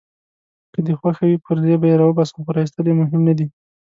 که دي خوښه وي پرزې به يې راوباسم، خو راایستل يې مهم نه دي.